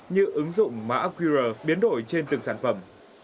như ứng dụng mã qr biến đổi trên từng sản phẩm